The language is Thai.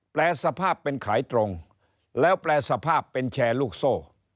แปรสภาพเป็นขายตรงแล้วแปลสภาพเป็นแชร์ลูกโซ่